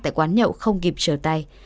tại quán nhậu không kịp trở tay